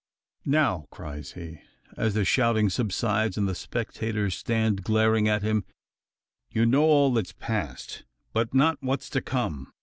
"Now!" cries he, as the shouting subsides, and the spectators stand glaring upon him, "you know all that's passed; but not what's to come.